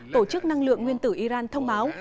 tổ chức năng lượng nguyên tử iran thông báo